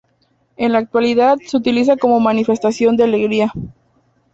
En la actualidad se utiliza como manifestación de alegría.